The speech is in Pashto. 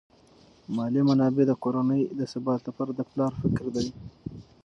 مالی منابع د کورنۍ د ثبات لپاره د پلار فکر دي.